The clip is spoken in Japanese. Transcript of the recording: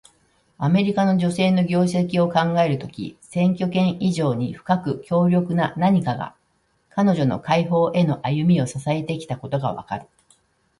アメリカの女性の業績を考えるとき、選挙権以上に深く強力な何かが、彼女の解放への歩みを支えてきたことがわかる。